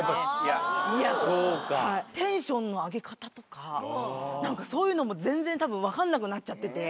テンションの上げ方とかなんかそういうのも全然たぶん分かんなくなっちゃってて。